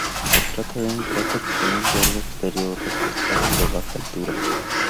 Se trata de un cráter con un borde exterior desgastado y de baja altura.